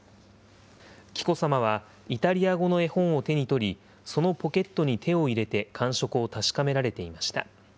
紀子さまは、イタリア語の絵本を手に取り、そのポケットに手を入れて感触を確かめられていました。